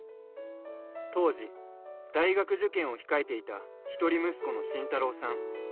当時大学受験を控えていた一人息子の信太郎さん。